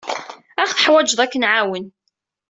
Ad aɣ-teḥwijed ad k-nɛawen.